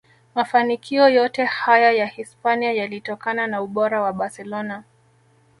Mafanikio yote haya ya Hispania yalitokana na ubora wa Barcelona